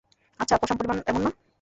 আচ্ছা, পসাম পরিবার এমন না।